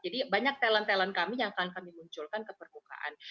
jadi banyak talent talent kami yang akan kami munculkan ke pergukaan